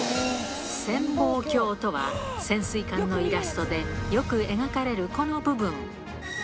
潜望鏡とは、潜水艦のイラストでよく描かれるこの部分。